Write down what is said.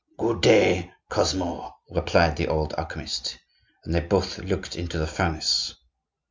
"'Good day, Cosmo,' replied the old alchemist. And they both looked into the furnace.